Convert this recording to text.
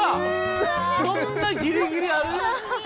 そんなギリギリある？